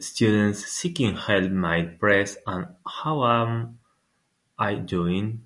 Students seeking help might press a How am I Doing?